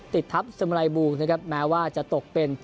ติดทับสมรายบูกแม้ว่าจะตกเป็น